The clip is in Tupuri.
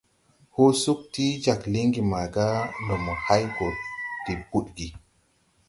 Hɔɔ sug ti jāg lingi maga ndo mo hay gɔ de budgi.